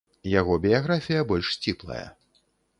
Яго біяграфія больш сціплая.